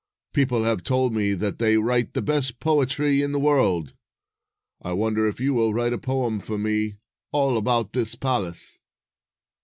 People have told me that they write the best poetry in the world. I wonder if you will write a poem for me all about this palace."